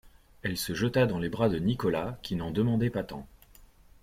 Elle se jeta dans les bras de Nicolas, qui n’en demandait pas tant.